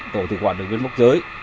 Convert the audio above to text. tổ thủ quản luyện viên bức giới